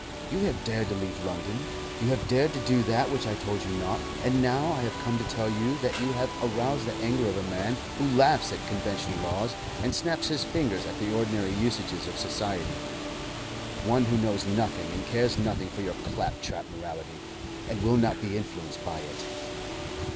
You have dared to leave London; you have dared to do that which I told you not; and now I have come to tell you that you have aroused the anger of a man who laughs at conventional laws, and snaps his fingers at the ordinary usages of society one who knows nothing and cares nothing for your claptrap morality, and will not be influenced by it."